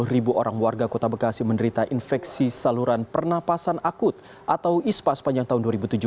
sepuluh ribu orang warga kota bekasi menderita infeksi saluran pernapasan akut atau ispa sepanjang tahun dua ribu tujuh belas